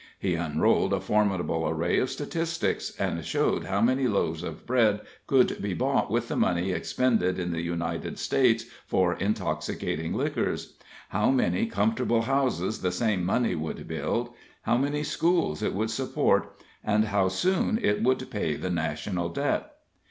He unrolled a formidable array of statistics, and showed how many loaves of bread could be bought with the money expended in the United States for intoxicating liquors; how many comfortable houses the same money would build; how many schools it would support; and how soon it would pay the National Debt.